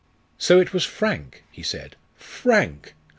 "So it was Frank," he said "_Frank!